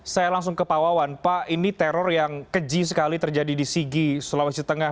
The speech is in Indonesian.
saya langsung ke pak wawan pak ini teror yang keji sekali terjadi di sigi sulawesi tengah